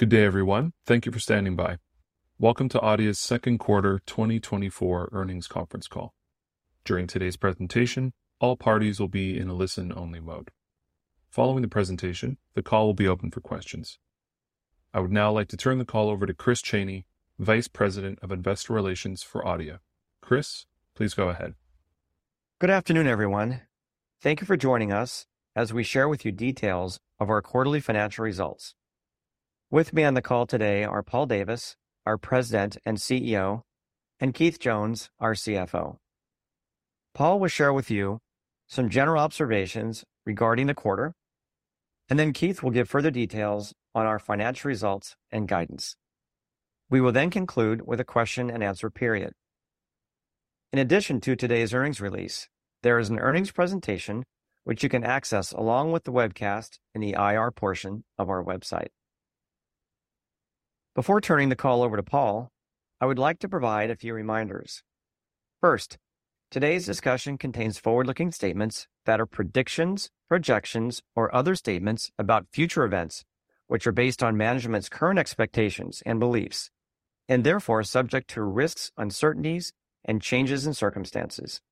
Good day, everyone. Thank you for standing by. Welcome to Adeia's second quarter 2024 earnings conference call. During today's presentation, all parties will be in a listen-only mode. Following the presentation, the call will be open for questions. I would now like to turn the call over to Chris Chaney, Vice President of Investor Relations for Adeia. Chris, please go ahead. Good afternoon, everyone. Thank you for joining us as we share with you details of our quarterly financial results. With me on the call today are Paul Davis, our President and CEO, and Keith Jones, our CFO. Paul will share with you some general observations regarding the quarter, and then Keith will give further details on our financial results and guidance. We will then conclude with a question and answer period. In addition to today's earnings release, there is an earnings presentation which you can access, along with the webcast, in the IR portion of our website. Before turning the call over to Paul, I would like to provide a few reminders. First, today's discussion contains forward-looking statements that are predictions, projections, or other statements about future events, which are based on management's current expectations and beliefs, and therefore subject to risks, uncertainties, and changes in circumstances.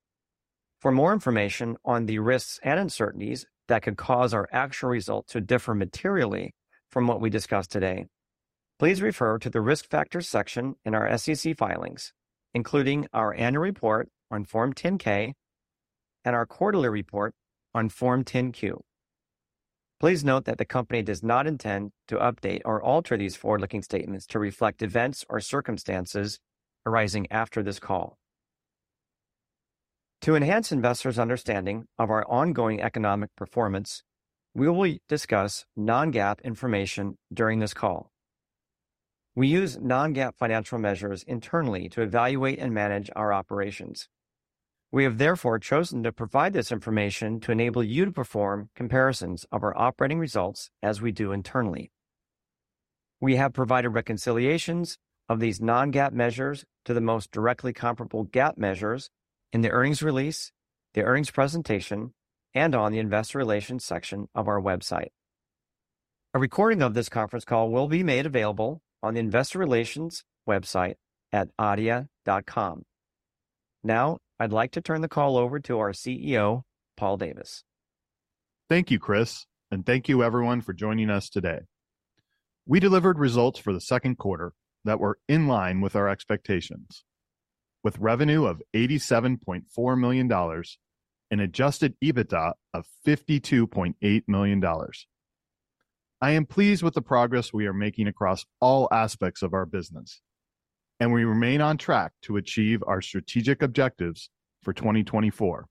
For more information on the risks and uncertainties that could cause our actual results to differ materially from what we discuss today, please refer to the Risk Factors section in our SEC filings, including our annual report on Form 10-K and our quarterly report on Form 10-Q. Please note that the company does not intend to update or alter these forward-looking statements to reflect events or circumstances arising after this call. To enhance investors' understanding of our ongoing economic performance, we will discuss non-GAAP information during this call. We use non-GAAP financial measures internally to evaluate and manage our operations. We have therefore chosen to provide this information to enable you to perform comparisons of our operating results as we do internally. We have provided reconciliations of these non-GAAP measures to the most directly comparable GAAP measures in the earnings release, the earnings presentation, and on the Investor Relations section of our website. A recording of this conference call will be made available on the Investor Relations website at adeia.com. Now, I'd like to turn the call over to our CEO, Paul Davis. Thank you, Chris, and thank you everyone for joining us today. We delivered results for the second quarter that were in line with our expectations, with revenue of $87.4 million and Adjusted EBITDA of $52.8 million. I am pleased with the progress we are making across all aspects of our business, and we remain on track to achieve our strategic objectives for 2024.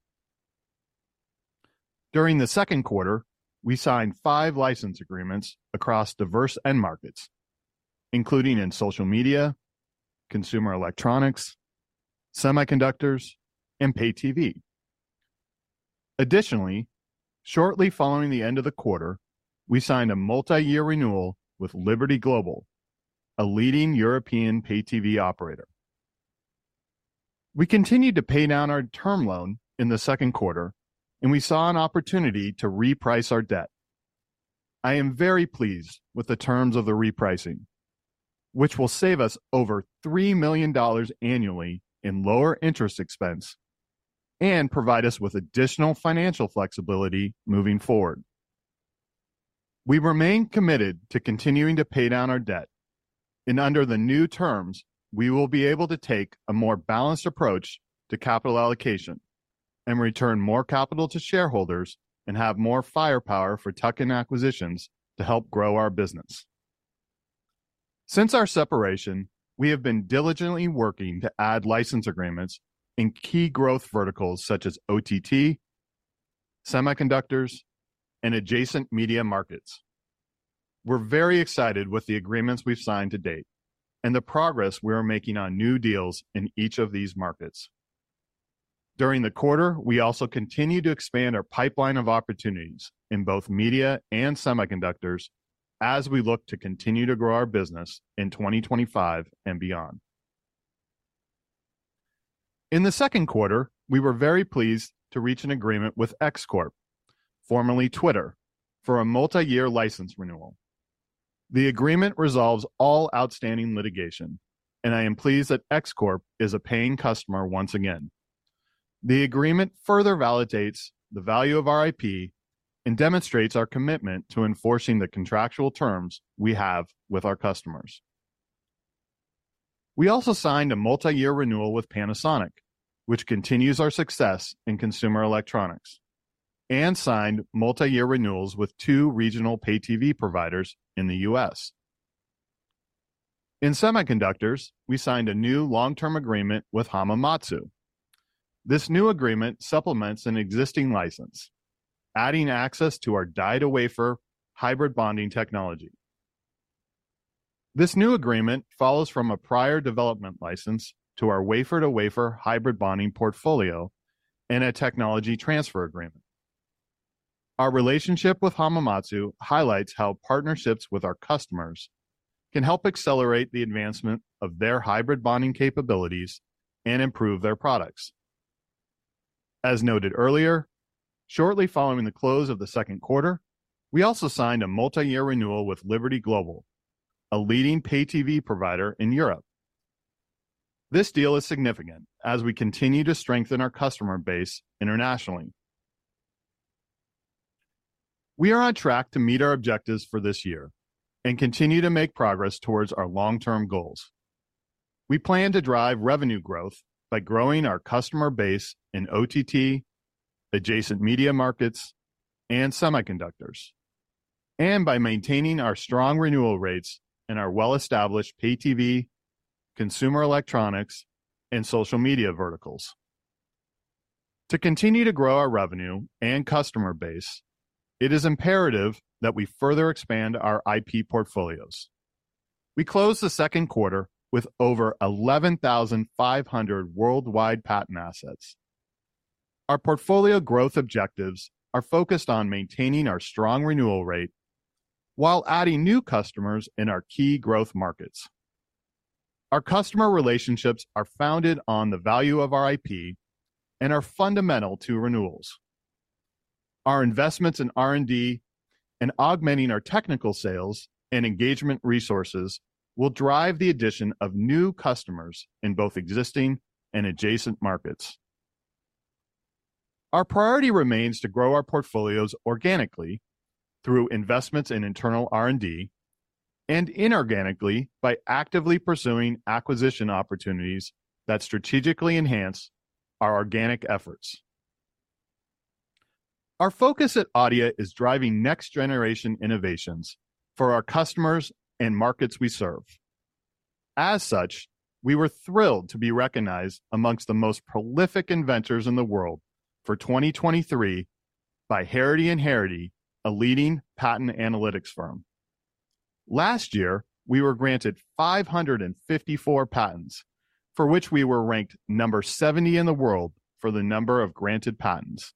During the second quarter, we signed five license agreements across diverse end markets, including in social media, consumer electronics, semiconductors, and pay TV. Additionally, shortly following the end of the quarter, we signed a multi-year renewal with Liberty Global, a leading European pay TV operator. We continued to pay down our term loan in the second quarter, and we saw an opportunity to reprice our debt. I am very pleased with the terms of the repricing, which will save us $3+ million annually in lower interest expense and provide us with additional financial flexibility moving forward. We remain committed to continuing to pay down our debt, and under the new terms, we will be able to take a more balanced approach to capital allocation and return more capital to shareholders and have more firepower for tuck-in acquisitions to help grow our business. Since our separation, we have been diligently working to add license agreements in key growth verticals such as OTT, semiconductors, and adjacent media markets. We're very excited with the agreements we've signed to date and the progress we are making on new deals in each of these markets. During the quarter, we also continued to expand our pipeline of opportunities in both media and semiconductors as we look to continue to grow our business in 2025 and beyond. In the second quarter, we were very pleased to reach an agreement with X Corp, formerly Twitter, for a multi-year license renewal. The agreement resolves all outstanding litigation, and I am pleased that X Corp is a paying customer once again. The agreement further validates the value of our IP and demonstrates our commitment to enforcing the contractual terms we have with our customers. We also signed a multi-year renewal with Panasonic, which continues our success in consumer electronics, and signed multi-year renewals with two regional pay TV providers in the U.S. In semiconductors, we signed a new long-term agreement with Hamamatsu. This new agreement supplements an existing license, adding access to our die-to-wafer hybrid bonding technology. This new agreement follows from a prior development license to our Wafer-to-Wafer Hybrid Bonding portfolio and a technology transfer agreement. Our relationship with Hamamatsu highlights how partnerships with our customers can help accelerate the advancement of their Hybrid Bonding capabilities and improve their products. As noted earlier, shortly following the close of the second quarter, we also signed a multi-year renewal with Liberty Global, a leading pay TV provider in Europe. This deal is significant as we continue to strengthen our customer base internationally. We are on track to meet our objectives for this year and continue to make progress towards our long-term goals. We plan to drive revenue growth by growing our customer base in OTT, adjacent media markets, and semiconductors, and by maintaining our strong renewal rates in our well-established pay TV, consumer electronics, and social media verticals. To continue to grow our revenue and customer base, it is imperative that we further expand our IP portfolios. We closed the second quarter with over 11,500 worldwide patent assets. Our portfolio growth objectives are focused on maintaining our strong renewal rate while adding new customers in our key growth markets. Our customer relationships are founded on the value of our IP and are fundamental to renewals. Our investments in R&D and augmenting our technical sales and engagement resources will drive the addition of new customers in both existing and adjacent markets. Our priority remains to grow our portfolios organically through investments in internal R&D, and inorganically by actively pursuing acquisition opportunities that strategically enhance our organic efforts. Our focus at Adeia is driving next-generation innovations for our customers and markets we serve. As such, we were thrilled to be recognized among the most prolific inventors in the world for 2023 by Harrity & Harrity, a leading patent analytics firm. Last year, we were granted 554 patents, for which we were ranked number 70 in the world for the number of granted patents.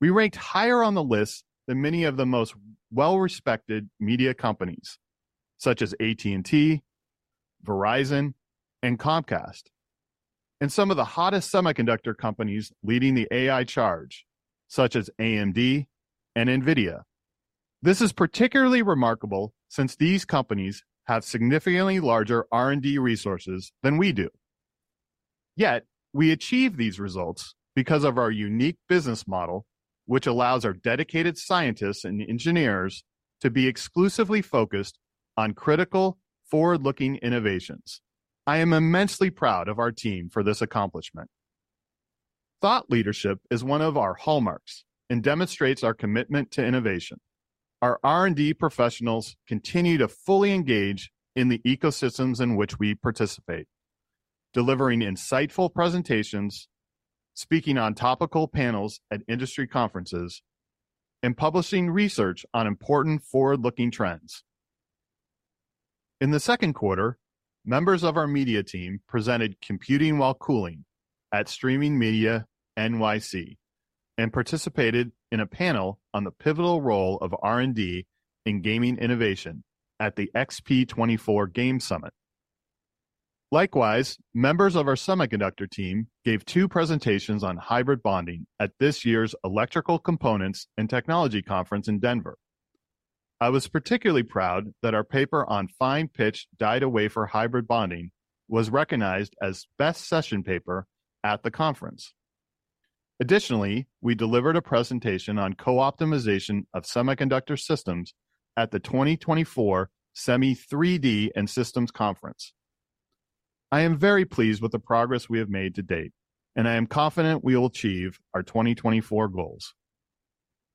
We ranked higher on the list than many of the most well-respected media companies, such as AT&T, Verizon, and Comcast, and some of the hottest semiconductor companies leading the AI charge, such as AMD and NVIDIA. This is particularly remarkable since these companies have significantly larger R&D resources than we do. Yet we achieve these results because of our unique business model, which allows our dedicated scientists and engineers to be exclusively focused on critical, forward-looking innovations. I am immensely proud of our team for this accomplishment. Thought leadership is one of our hallmarks and demonstrates our commitment to innovation. Our R&D professionals continue to fully engage in the ecosystems in which we participate, delivering insightful presentations, speaking on topical panels at industry conferences, and publishing research on important forward-looking trends. In the second quarter, members of our media team presented Computing While Cooling at Streaming Media NYC and participated in a panel on the pivotal role of R&D in gaming innovation at the XP 2024 Game Summit. Likewise, members of our semiconductor team gave two presentations on hybrid bonding at this year's Electrical Components and Technology Conference in Denver. I was particularly proud that our paper on fine pitch die-to-wafer hybrid bonding was recognized as Best Session Paper at the conference. Additionally, we delivered a presentation on co-optimization of semiconductor systems at the 2024 SEMI 3D and Systems Conference. I am very pleased with the progress we have made to date, and I am confident we will achieve our 2024 goals.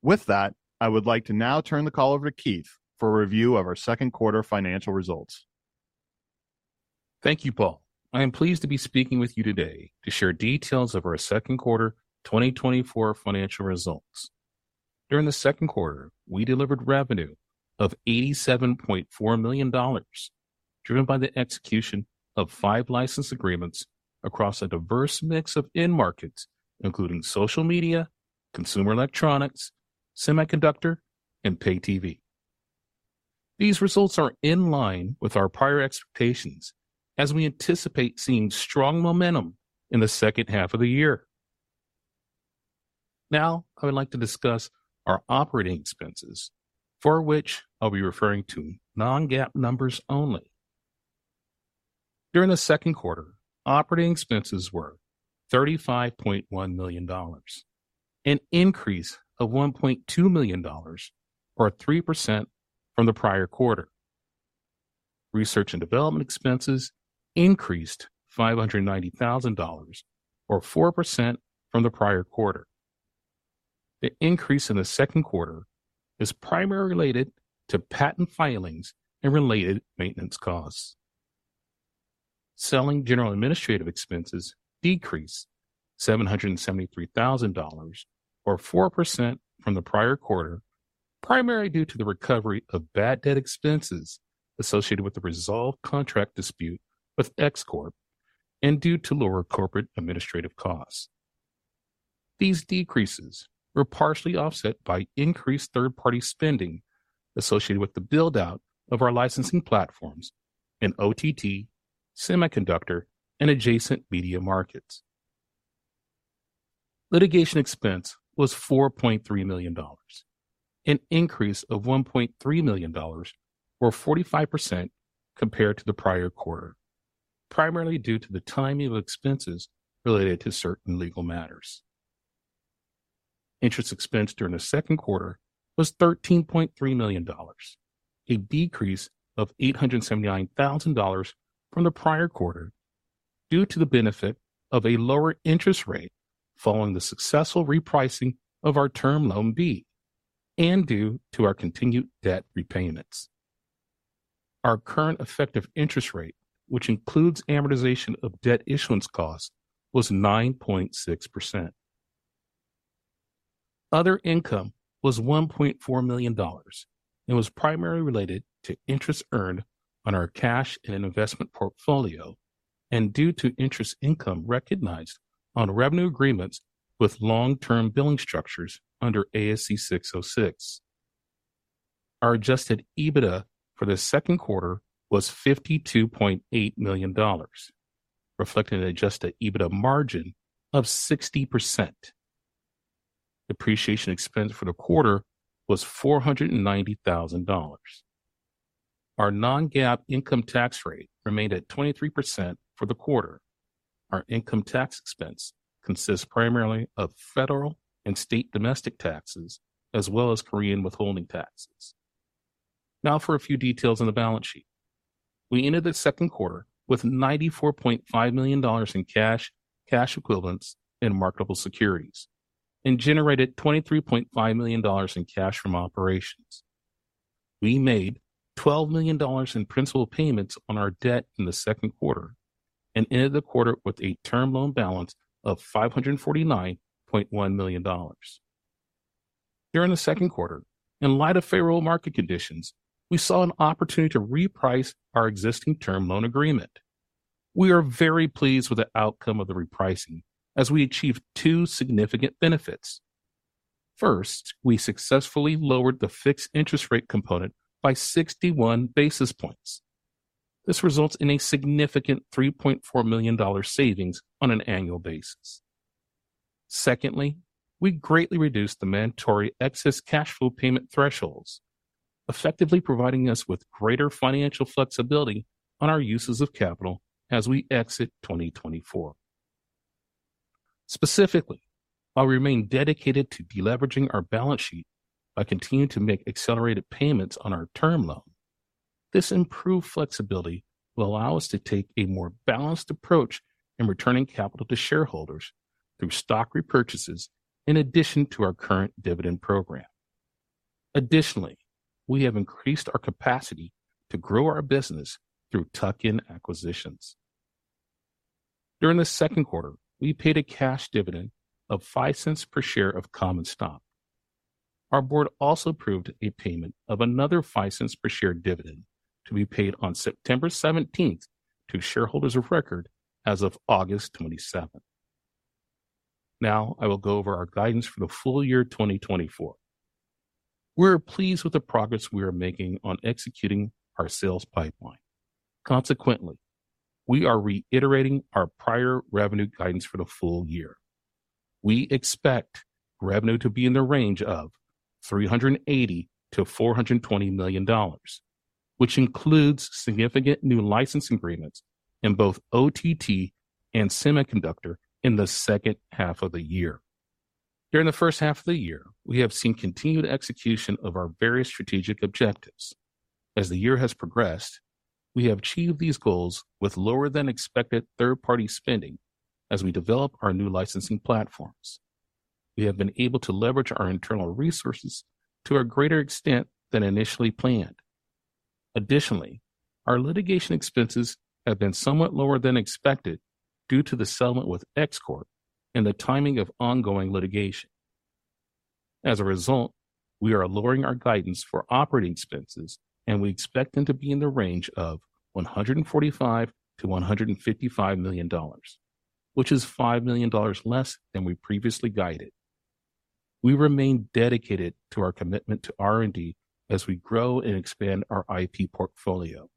With that, I would like to now turn the call over to Keith for a review of our second quarter financial results. Thank you, Paul. I am pleased to be speaking with you today to share details of our second quarter 2024 financial results. During the second quarter, we delivered revenue of $87.4 million, driven by the execution of five license agreements across a diverse mix of end markets, including social media, consumer electronics, semiconductor, and pay TV. These results are in line with our prior expectations as we anticipate seeing strong momentum in the second half of the year. Now, I would like to discuss our operating expenses, for which I'll be referring to non-GAAP numbers only. During the second quarter, operating expenses were $35.1 million, an increase of $1.2 million, or a 3% from the prior quarter. Research and development expenses increased $590,000, or 4% from the prior quarter. The increase in the second quarter is primarily related to patent filings and related maintenance costs. Selling general administrative expenses decreased $773,000, or 4% from the prior quarter, primarily due to the recovery of bad debt expenses associated with the resolved contract dispute with X Corp. and due to lower corporate administrative costs. These decreases were partially offset by increased third-party spending associated with the build-out of our licensing platforms in OTT, semiconductor, and adjacent media markets. Litigation expense was $4.3 million, an increase of $1.3 million, or 45% compared to the prior quarter, primarily due to the timing of expenses related to certain legal matters. Interest expense during the second quarter was $13.3 million, a decrease of $879,000 from the prior quarter due to the benefit of a lower interest rate following the successful repricing of our Term Loan B and due to our continued debt repayments. Our current effective interest rate, which includes amortization of debt issuance costs, was 9.6%. Other income was $1.4 million and was primarily related to interest earned on our cash and investment portfolio, and due to interest income recognized on revenue agreements with long-term billing structures under ASC 606. Our Adjusted EBITDA for the second quarter was $52.8 million, reflecting an Adjusted EBITDA margin of 60%. Depreciation expense for the quarter was $490,000. Our non-GAAP income tax rate remained at 23% for the quarter. Our income tax expense consists primarily of federal and state domestic taxes, as well as Korean withholding taxes. Now, for a few details on the balance sheet. We ended the second quarter with $94.5 million in cash, cash equivalents, and marketable securities, and generated $23.5 million in cash from operations. We made $12 million in principal payments on our debt in the second quarter and ended the quarter with a term loan balance of $549.1 million. During the second quarter, in light of favorable market conditions, we saw an opportunity to reprice our existing term loan agreement. We are very pleased with the outcome of the repricing, as we achieved two significant benefits. First, we successfully lowered the fixed interest rate component by sixty-one basis points. This results in a significant $3.4 million savings on an annual basis. Secondly, we greatly reduced the mandatory excess cash flow payment thresholds, effectively providing us with greater financial flexibility on our uses of capital as we exit 2024. Specifically, while we remain dedicated to deleveraging our balance sheet by continuing to make accelerated payments on our term loan, this improved flexibility will allow us to take a more balanced approach in returning capital to shareholders through stock repurchases, in addition to our current dividend program. Additionally, we have increased our capacity to grow our business through tuck-in acquisitions. During the second quarter, we paid a cash dividend of $0.05 per share of common stock. Our board also approved a payment of another $0.05 per share dividend to be paid on September seventeenth to shareholders of record as of August twenty-seventh. Now, I will go over our guidance for the full year, 2024. We're pleased with the progress we are making on executing our sales pipeline. Consequently, we are reiterating our prior revenue guidance for the full year. We expect revenue to be in the range of $380 million-$420 million, which includes significant new licensing agreements in both OTT and semiconductor in the second half of the year. During the first half of the year, we have seen continued execution of our various strategic objectives. As the year has progressed, we have achieved these goals with lower-than-expected third-party spending as we develop our new licensing platforms. We have been able to leverage our internal resources to a greater extent than initially planned. Additionally, our litigation expenses have been somewhat lower than expected due to the settlement with X Corp and the timing of ongoing litigation. As a result, we are lowering our guidance for operating expenses, and we expect them to be in the range of $145 million-$155 million, which is $5 million less than we previously guided. We remain dedicated to our commitment to R&D as we grow and expand our IP portfolio.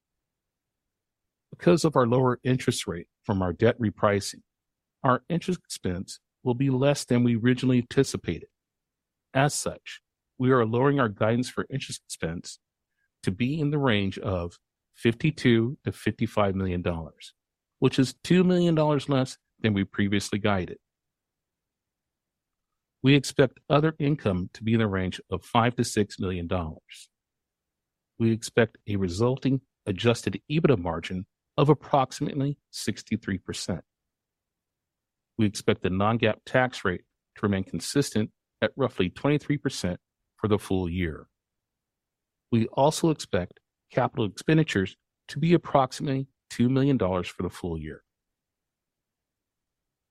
Because of our lower interest rate from our debt repricing, our interest expense will be less than we originally anticipated. As such, we are lowering our guidance for interest expense to be in the range of $52 million-$55 million, which is $2 million less than we previously guided. We expect other income to be in the range of $5 million-$6 million. We expect a resulting Adjusted EBITDA margin of approximately 63%. We expect the non-GAAP tax rate to remain consistent at roughly 23% for the full year. We also expect capital expenditures to be approximately $2 million for the full year.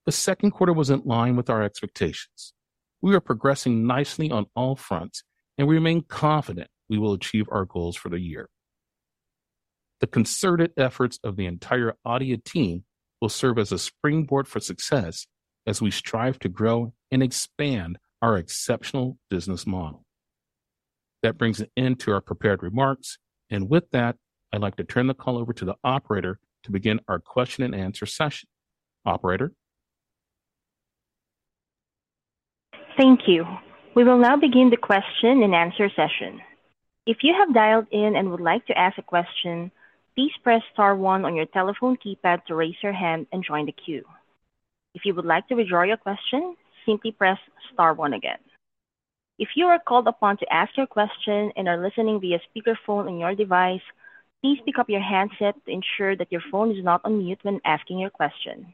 The second quarter was in line with our expectations. We are progressing nicely on all fronts, and we remain confident we will achieve our goals for the year.... The concerted efforts of the entire Adeia team will serve as a springboard for success as we strive to grow and expand our exceptional business model. That brings an end to our prepared remarks, and with that, I'd like to turn the call over to the operator to begin our question-and-answer session. Operator? Thank you. We will now begin the question-and-answer session. If you have dialed in and would like to ask a question, please press star one on your telephone keypad to raise your hand and join the queue. If you would like to withdraw your question, simply press star one again. If you are called upon to ask your question and are listening via speakerphone on your device, please pick up your handset to ensure that your phone is not on mute when asking your question.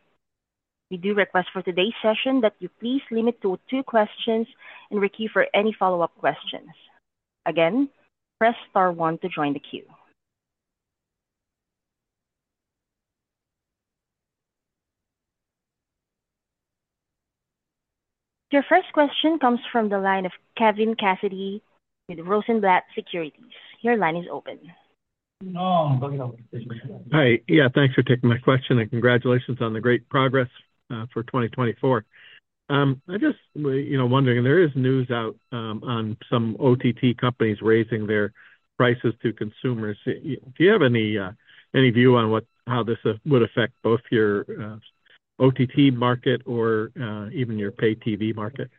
We do request for today's session that you please limit to two questions and rekey for any follow-up questions. Again, press star one to join the queue. Your first question comes from the line of Kevin Cassidy with Rosenblatt Securities. Your line is open. Hi. Yeah, thanks for taking my question, and congratulations on the great progress for 2024. I'm just, you know, wondering, there is news out on some OTT companies raising their prices to consumers. Do you have any view on how this would affect both your OTT market or even your pay TV market?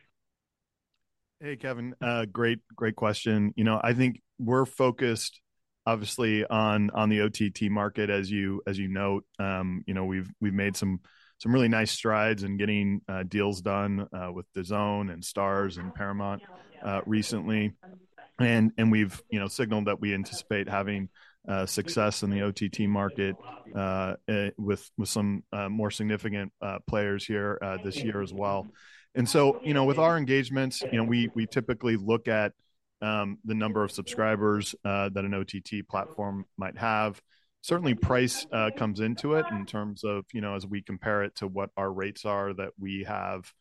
Hey, Kevin, great, great question. You know, I think we're focused obviously on the OTT market, as you note. You know, we've made some really nice strides in getting deals done with DAZN and Starz and Paramount recently. And we've you know, signaled that we anticipate having success in the OTT market with some more significant players here this year as well. And so, you know, with our engagements, you know, we typically look at the number of subscribers that an OTT platform might have. Certainly, price comes into it in terms of you know, as we compare it to what our rates are that we have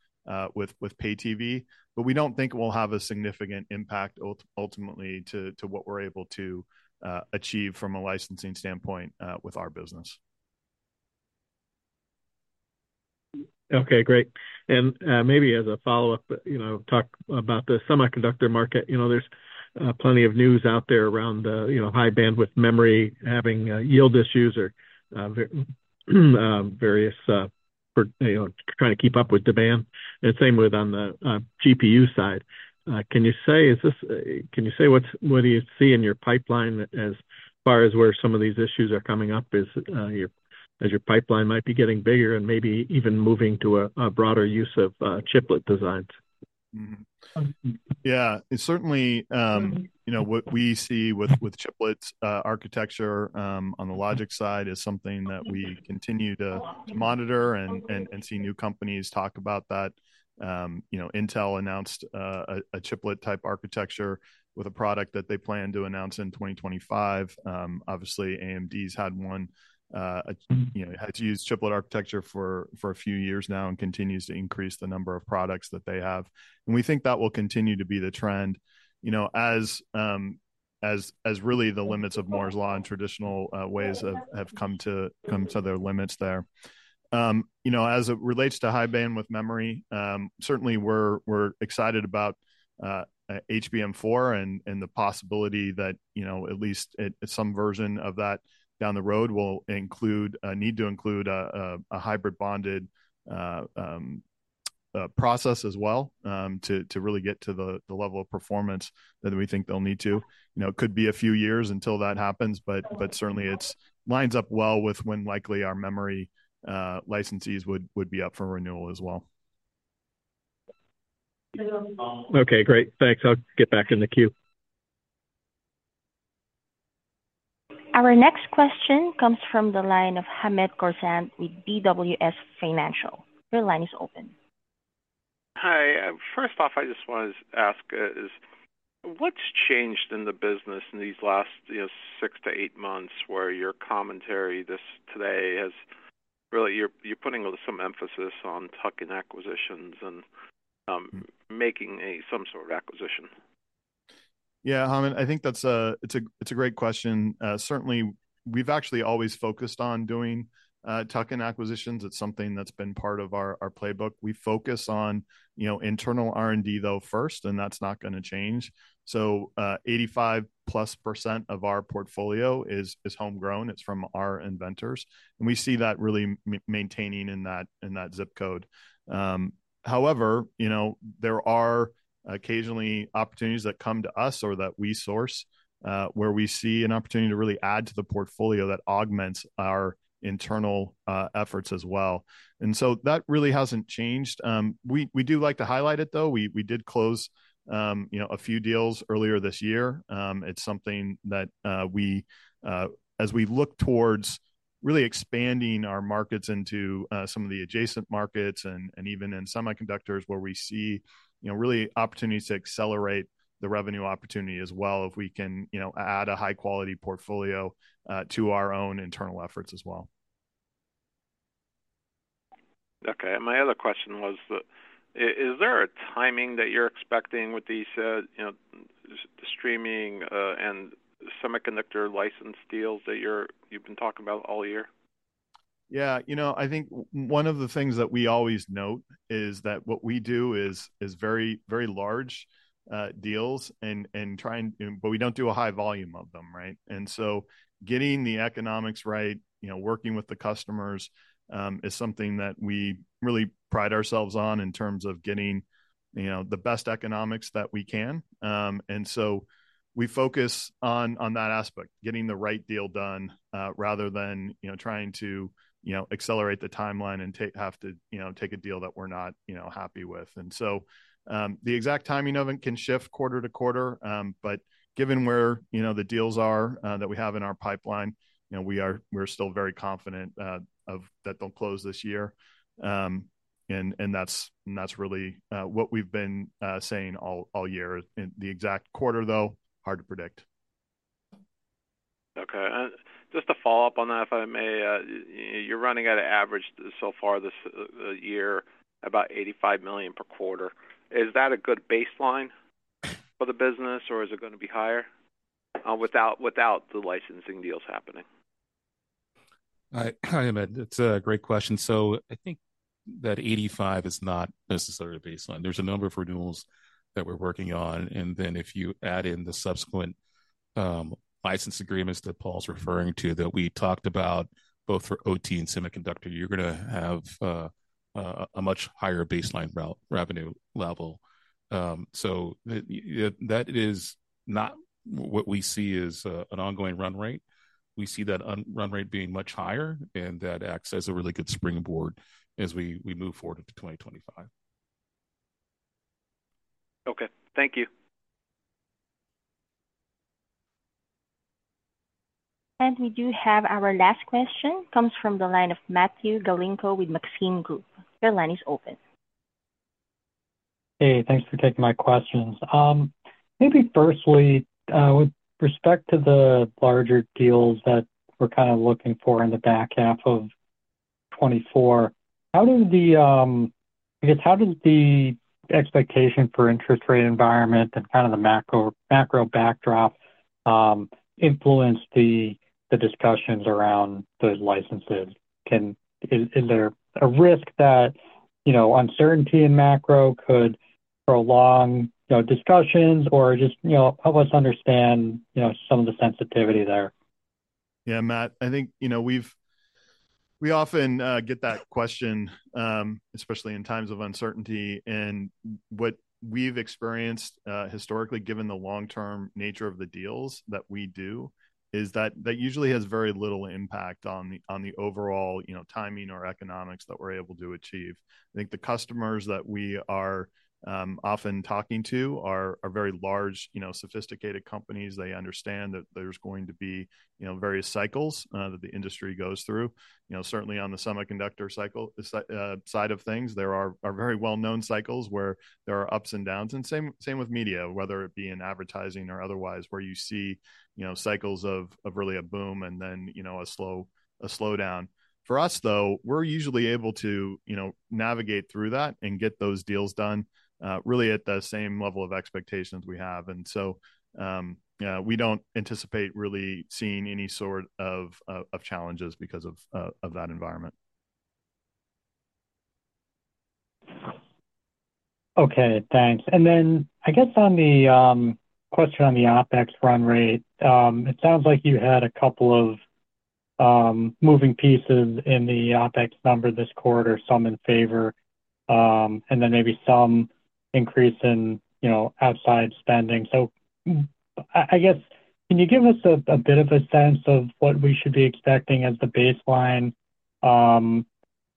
with pay TV. But we don't think it will have a significant impact ultimately to what we're able to achieve from a licensing standpoint with our business. Okay, great. And maybe as a follow-up, you know, talk about the semiconductor market. You know, there's plenty of news out there around you know, high-bandwidth memory having yield issues or various for you know, trying to keep up with demand, and same with on the GPU side. Can you say what do you see in your pipeline as far as where some of these issues are coming up? Is your pipeline getting bigger and maybe even moving to a broader use of chiplet designs? Yeah, certainly, you know, what we see with chiplets architecture on the logic side is something that we continue to monitor and see new companies talk about that. You know, Intel announced a chiplet-type architecture with a product that they plan to announce in 2025. Obviously, AMD's had one, you know, had to use chiplet architecture for a few years now and continues to increase the number of products that they have. And we think that will continue to be the trend, you know, as really the limits of Moore's Law and traditional ways have come to their limits there. You know, as it relates to high-bandwidth memory, certainly we're excited about HBM4 and the possibility that, you know, at least at some version of that down the road will need to include a hybrid bonded process as well, to really get to the level of performance that we think they'll need to. You know, it could be a few years until that happens, but certainly, it lines up well with when likely our memory licensees would be up for renewal as well. Okay, great. Thanks. I'll get back in the queue. Our next question comes from the line of Hamed Khorsand with BWS Financial. Your line is open. Hi. First off, I just wanted to ask, is what's changed in the business in these last, you know, 6-8 months, where your commentary this today has really - you're putting some emphasis on tuck-in acquisitions and making a some sort of acquisition? Yeah, Hamed, I think that's a great question. Certainly, we've actually always focused on doing tuck-in acquisitions. It's something that's been part of our playbook. We focus on, you know, internal R&D, though, first, and that's not going to change. So, 85% of our portfolio is homegrown, it's from our inventors, and we see that really maintaining in that zip code. However, you know, there are occasionally opportunities that come to us or that we source, where we see an opportunity to really add to the portfolio that augments our internal efforts as well. And so that really hasn't changed. We do like to highlight it, though. We did close, you know, a few deals earlier this year. It's something that we as we look towards really expanding our markets into some of the adjacent markets and and even in semiconductors, where we see, you know, really opportunities to accelerate the revenue opportunity as well if we can, you know, add a high-quality portfolio to our own internal efforts as well.... Okay. And my other question was that, is there a timing that you're expecting with these, you know, the streaming and semiconductor license deals that you've been talking about all year? Yeah, you know, I think one of the things that we always note is that what we do is very, very large deals but we don't do a high volume of them, right? And so getting the economics right, you know, working with the customers, is something that we really pride ourselves on in terms of getting, you know, the best economics that we can. And so we focus on that aspect, getting the right deal done, rather than, you know, trying to, you know, accelerate the timeline and have to, you know, take a deal that we're not, you know, happy with. And so, the exact timing of it can shift quarter to quarter, but given where, you know, the deals are that we have in our pipeline, you know, we're still very confident of that they'll close this year. And that's really what we've been saying all year. In the exact quarter, though, hard to predict. Okay. And just to follow up on that, if I may, you're running at an average so far this year, about $85 million per quarter. Is that a good baseline for the business, or is it going to be higher, without the licensing deals happening? Hi, Matt. That's a great question. So I think that 85 is not necessarily a baseline. There's a number of renewals that we're working on, and then if you add in the subsequent license agreements that Paul's referring to, that we talked about, both for OTT and semiconductor, you're going to have a much higher baseline revenue level. So that is not what we see as an ongoing run rate. We see that run rate being much higher, and that acts as a really good springboard as we move forward into 2025. Okay. Thank you. We do have our last question. Comes from the line of Matthew Galinko with Maxim Group. Your line is open. Hey, thanks for taking my questions. Maybe firstly, with respect to the larger deals that we're kind of looking for in the back half of 2024, how does the... I guess, how does the expectation for interest rate environment and kind of the macro, macro backdrop influence the discussions around those licenses? Can... is there a risk that, you know, uncertainty in macro could prolong, you know, discussions or just, you know, help us understand, you know, some of the sensitivity there? Yeah, Matt, I think, you know, we've often get that question, especially in times of uncertainty. And what we've experienced historically, given the long-term nature of the deals that we do, is that that usually has very little impact on the overall, you know, timing or economics that we're able to achieve. I think the customers that we are often talking to are very large, you know, sophisticated companies. They understand that there's going to be, you know, various cycles that the industry goes through. You know, certainly on the semiconductor cycle side of things, there are very well-known cycles where there are ups and downs. And same with media, whether it be in advertising or otherwise, where you see, you know, cycles of really a boom and then, you know, a slowdown. For us, though, we're usually able to, you know, navigate through that and get those deals done, really at the same level of expectations we have. And so, yeah, we don't anticipate really seeing any sort of challenges because of that environment. Okay, thanks. And then I guess on the question on the OpEx run rate, it sounds like you had a couple of moving pieces in the OpEx number this quarter, some in favor, and then maybe some increase in, you know, outside spending. So I guess, can you give us a bit of a sense of what we should be expecting as the baseline,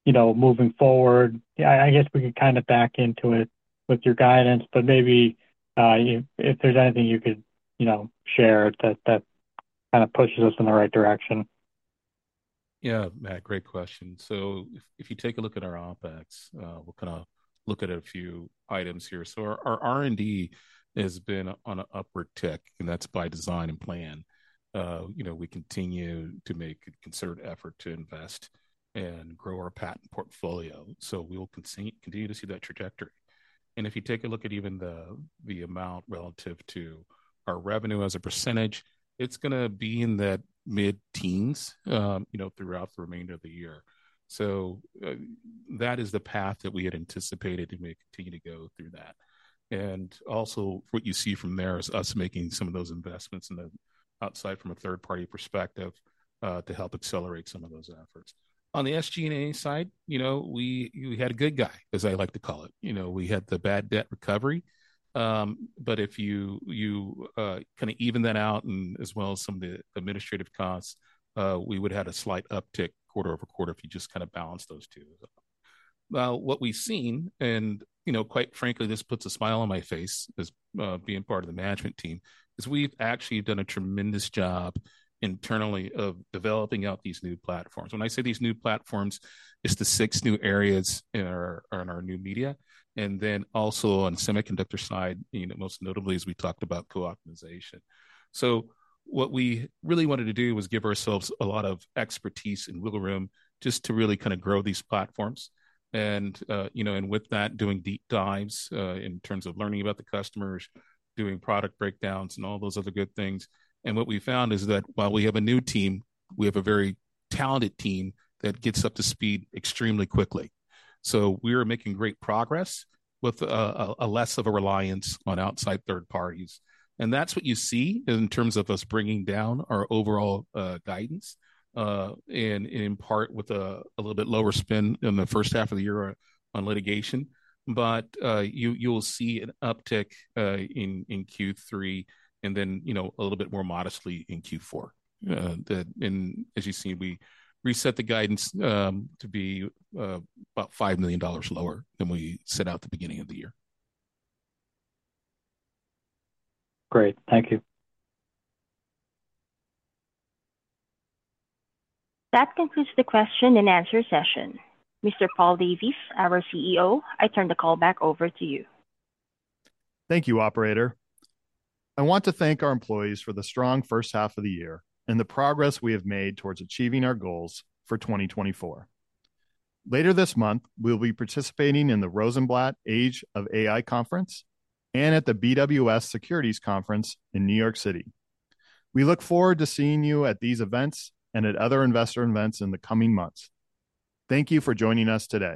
you know, moving forward? I guess we could kind of back into it with your guidance, but maybe, if there's anything you could, you know, share that kind of pushes us in the right direction. Yeah, Matt, great question. So if you take a look at our OpEx, we'll kind of look at a few items here. So our R&D has been on an upward tick, and that's by design and plan. You know, we continue to make a concerted effort to invest and grow our patent portfolio, so we will continue to see that trajectory. And if you take a look at even the amount relative to our revenue as a percentage, it's going to be in that mid-teens% throughout the remainder of the year. So that is the path that we had anticipated, and we continue to go through that. And also, what you see from there is us making some of those investments in the outside from a third-party perspective to help accelerate some of those efforts. On the SG&A side, you know, we had a good guy, as I like to call it. You know, we had the bad debt recovery. But if you kind of even that out, and as well as some of the administrative costs, we would have a slight uptick quarter-over-quarter if you just kind of balance those two. Now, what we've seen, and you know, quite frankly, this puts a smile on my face as being part of the management team, is we've actually done a tremendous job internally of developing out these new platforms. When I say these new platforms, it's the six new areas in our new media, and then also on the semiconductor side, you know, most notably, as we talked about, co-optimization. So what we really wanted to do was give ourselves a lot of expertise and wiggle room just to really kind of grow these platforms. And, you know, and with that, doing deep dives, in terms of learning about the customers, doing product breakdowns, and all those other good things. And what we found is that while we have a new team, we have a very talented team that gets up to speed extremely quickly. So we are making great progress with a less of a reliance on outside third parties. And that's what you see in terms of us bringing down our overall guidance, and in part with a little bit lower spend in the first half of the year on litigation. But, you'll see an uptick in Q3, and then, you know, a little bit more modestly in Q4. And as you see, we reset the guidance to be about $5 million lower than we set out at the beginning of the year. Great. Thank you. That concludes the question and answer session. Mr. Paul Davis, our CEO, I turn the call back over to you. Thank you, operator. I want to thank our employees for the strong first half of the year and the progress we have made towards achieving our goals for 2024. Later this month, we'll be participating in the Rosenblatt Age of AI Conference and at the BWS Financial Conference in New York City. We look forward to seeing you at these events and at other investor events in the coming months. Thank you for joining us today.